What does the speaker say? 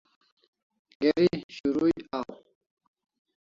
Geri shurui aw